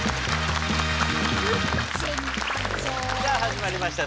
さあ始まりました